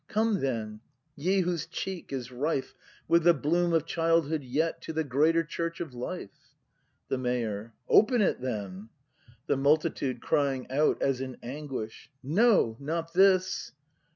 Come then, ye whose cheek is rife With the bloom of childhood yet To the greater Church of Life! The Mayor. Open it then! The Multitude. [Crying out as in anguish.] No! Not this!